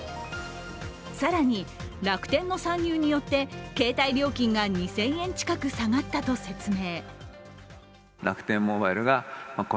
更に、楽天の参入によって携帯料金が２０００円近く下がったと説明。